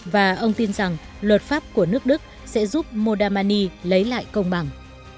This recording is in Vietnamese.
và ông tin rằng luật pháp của nước đức sẽ giúp modamani lấy lại công bằng